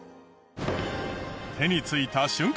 手についた瞬間